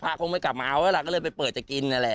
คงไม่กลับมาเอาแล้วล่ะก็เลยไปเปิดจะกินนั่นแหละ